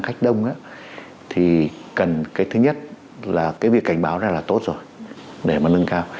khách đông á thì cần cái thứ nhất là cái việc cảnh báo ra là tốt rồi để mà nâng cao